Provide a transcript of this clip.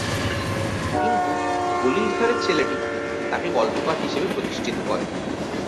কিন্তু "গলির ধারের ছেলেটি" তাকে গল্পকার হিসেবে প্রতিষ্ঠিত করে।